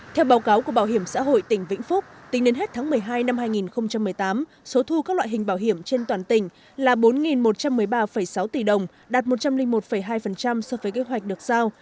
theo báo cáo của bảo hiểm xã hội tỉnh vĩnh phúc tính đến hết tháng một mươi hai năm hai nghìn một mươi tám số thu các loại hình bảo hiểm trên toàn tỉnh là bốn một trăm một mươi ba sáu tỷ đồng đạt một trăm linh một hai so với kế hoạch được giao